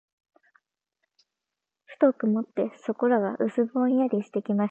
ふと曇って、そこらが薄ぼんやりしてきました。